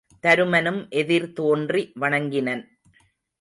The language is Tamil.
தருமனும் எதிர்தோன்றி வணங்கினன்.